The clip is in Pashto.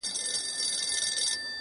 • راته راکړۍ څه ډوډۍ مسلمانانو,